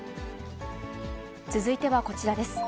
続いてはこちらです。